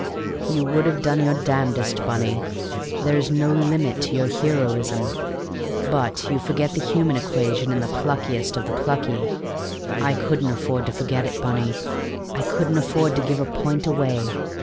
"You would have done your damnedest, Bunny! There is no limit to your heroism; but you forget the human equation in the pluckiest of the plucky. I couldn't afford to forget it, Bunny; I couldn't afford to give a point away.